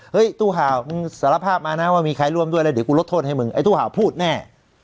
ตู้ห่าวมึงสารภาพมานะว่ามีใครร่วมด้วยแล้วเดี๋ยวกูลดโทษให้มึงไอ้ตู้ห่าวพูดแน่